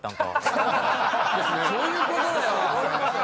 そういうことだよ！